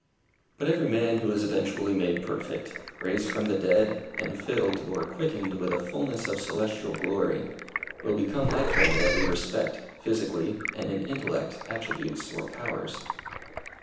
But every man who is eventually made perfect raised from the dead, and filled, or quickened, with a fulness of celestial glory, will become like them in every respect, physically, and in intellect, attributes or powers.